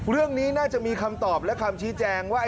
เรื่องนี้น่าจะมีคำตอบและคำชี้แจงว่า